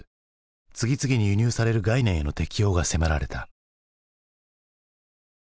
次々に輸入される概念への適応が迫られた。